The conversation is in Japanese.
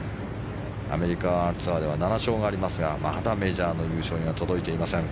アメリカツアーでは７勝がありますがまだメジャーの優勝には届いていません。